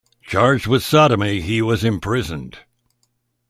Charged with sodomy he was imprisoned.